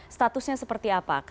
statusnya seperti apa